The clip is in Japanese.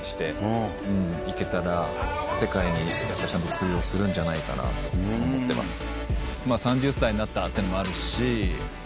世界にちゃんと通用するんじゃないかなと思ってますね。